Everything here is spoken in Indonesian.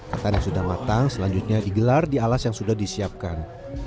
ketan yang sudah matang selanjutnya digelar di alas yang sudah disiapkan